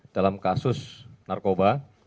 dalam kasus narkoba